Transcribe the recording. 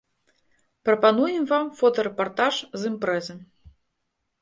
Прапануем вам фотарэпартаж з імпрэзы.